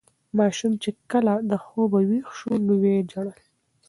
ماشوم چې کله له خوبه ویښ شو نو ویې ژړل.